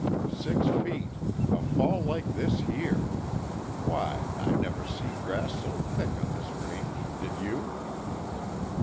Six feet a fall like this here! Why, I never see grass so thick on this range did you?"